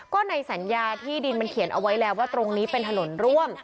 ก็ในสัญญาที่ดินมันเขียนเอาไว้แล้วว่าตรงนี้เป็นถนนร่วม